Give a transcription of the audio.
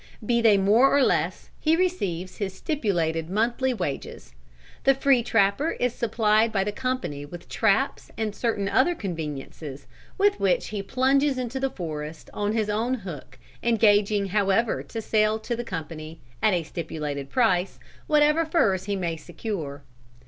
Be they more or less, he receives his stipulated monthly wages. The free trapper is supplied by the company with traps and certain other conveniences with which he plunges into the forest on his own hook, engaging however to sell to the company, at a stipulated price, whatever furs he may secure.